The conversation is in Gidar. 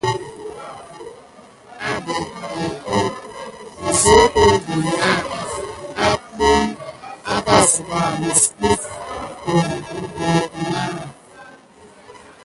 Abete kulku misohohi na adum à siga mis def kum kulu naà.